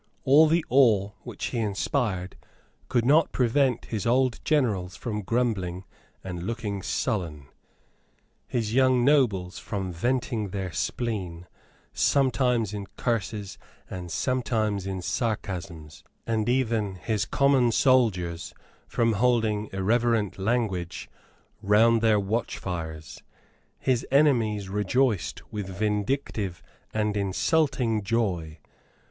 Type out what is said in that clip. All the awe which he inspired could not prevent his old generals from grumbling and looking sullen, his young nobles from venting their spleen, sometimes in curses and sometimes in sarcasms, and even his common soldiers from holding irreverent language round their watchfires. His enemies rejoiced with vindictive and insulting joy.